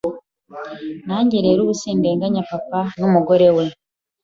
Nanjye rero ubu sindenganya papa n’umugore we